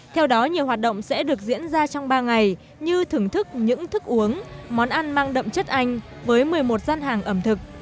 theo đó nhiều hoạt động sẽ được diễn ra trong ba ngày như thưởng thức những thức uống món ăn mang đậm chất anh với một mươi một gian hàng ẩm thực